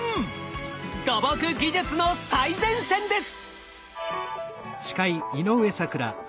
土木技術の最前線です。